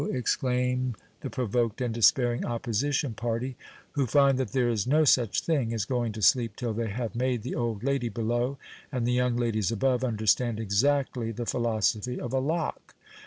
exclaim the provoked and despairing opposition party, who find that there is no such thing as going to sleep till they have made the old lady below and the young ladies above understand exactly the philosophy of a lock.